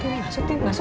iya mpo disopek semuanya